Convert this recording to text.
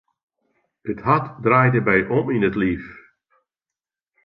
It hart draaide my om yn it liif.